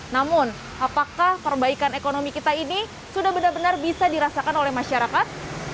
namun apakah perbaikan ekonomi kita ini sudah benar benar bisa dirasakan oleh masyarakat